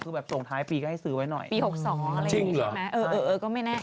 คือแบบส่วนท้ายปีก็ให้ซื้อไว้หน่อยปีหกสองจริงเหรอเออเออเออก็ไม่แน่